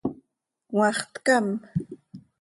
¿Cmaax tcam?